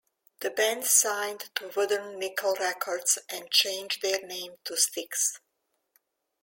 The band signed to Wooden Nickel Records and changed their name to Styx.